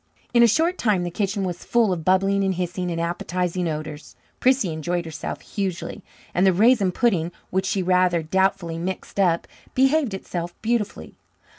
In a short time the kitchen was full of bubbling and hissings and appetizing odours. Prissy enjoyed herself hugely, and the raisin pudding, which she rather doubtfully mixed up, behaved itself beautifully.